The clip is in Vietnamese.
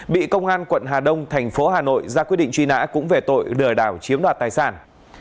bị công an quận hà đông thành phố hà nội ra quyết định truy nã cũng về tội lừa đảo chiếm đoạt tài sản